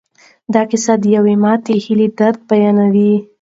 دا کیسه د یوې ماتې هیلې درد بیانوي.